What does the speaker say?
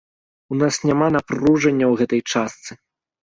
У нас няма напружання ў гэтай частцы.